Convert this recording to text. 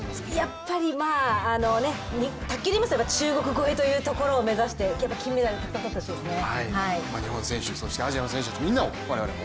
やっぱり卓球でいえば中国超えというところを目指して金メダルたくさんとってほしいですね。